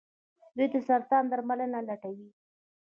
دوی د سرطان درملنه لټوي.